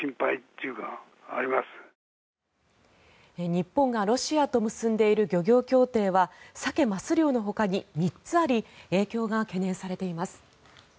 日本がロシアと結んでいる漁業協定はサケ・マス漁のほかに３つあり影響が懸念されています。